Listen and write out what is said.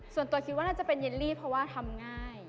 ส่วนตัวคิดว่าน่าจะเป็นเยลลี่เพราะว่าทำง่าย